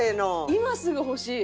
今すぐ欲しい！